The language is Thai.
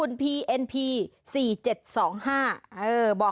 สบัดข่าวเด็ก